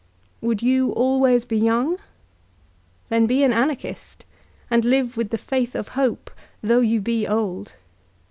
Would you be always young? Then be an Anarchist, and live with the faith of hope, though you be old.